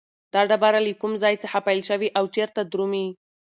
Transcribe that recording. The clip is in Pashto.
دا ډبره له کوم ځای څخه پیل شوې او چیرته درومي؟